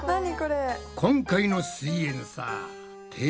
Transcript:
今回の「すイエんサー」